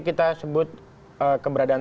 kita sebut keberadaan